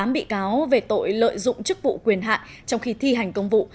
tám bị cáo về tội lợi dụng chức vụ quyền hạn trong khi thi hành công vụ